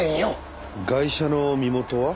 ガイシャの身元は？